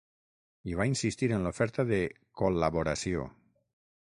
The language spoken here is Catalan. I va insistir en l’oferta de ‘col·laboració’.